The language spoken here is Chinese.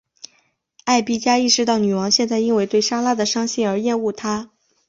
艾碧嘉意识到女王现在因为对莎拉的伤心而厌恶她。